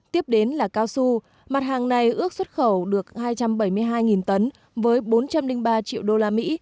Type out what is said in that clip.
tiếp đến là cao su mặt hàng này ước xuất khẩu được hai trăm bảy mươi hai tấn với bốn trăm linh ba triệu usd